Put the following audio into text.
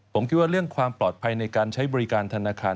ผมคิดว่าเรื่องความปลอดภัยในการใช้บริการธนาคาร